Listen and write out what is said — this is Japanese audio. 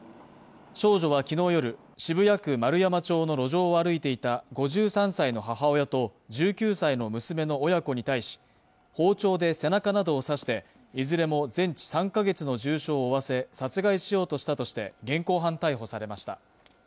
少女は昨日夜、渋谷区円山町の路上を歩いていた５３歳の母親と１９歳の娘の親子に対し包丁で背中などを刺していずれも全治３カ月の重傷を負わせ殺害しようとしたとして現行犯逮捕されました。